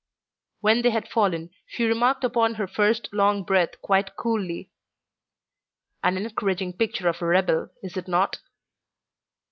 When they had fallen, she remarked upon her first long breath quite coolly: "An encouraging picture of a rebel, is it not?"